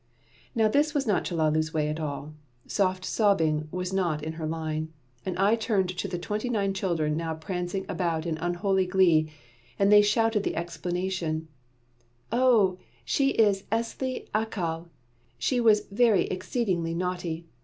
Now this is not Chellalu's way at all. Soft sobbing is not in her line; and I turned to the twenty nine children now prancing about in unholy glee, and they shouted the explanation: "Oh, she is Esli Accal! She was very exceedingly naughty.